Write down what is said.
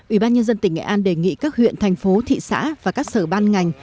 ủy ban nhân dân tỉnh nghệ an đề nghị các huyện thành phố thị xã và các sở ban ngành